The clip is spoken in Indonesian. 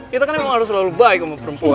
kita kan memang harus selalu baik sama perempuan